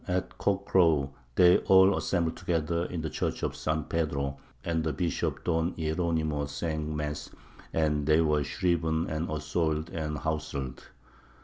At cock crow they all assembled together in the Church of St. Pedro, and the Bishop Don Hieronymo sang mass, and they were shriven and assoyled and howselled.